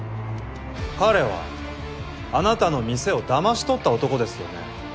彼はあなたの店を騙し取った男ですよね？